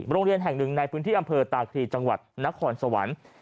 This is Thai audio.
โรงเรียนแห่งหนึ่งในพื้นที่อำเภอตาคลีจังหวัดนครสวรรค์